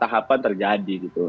beberapa tahapan terjadi gitu